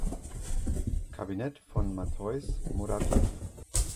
Kabinett von Mateusz Morawiecki.